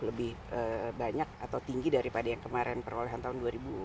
lebih banyak atau tinggi daripada yang kemarin perolehan tahun dua ribu dua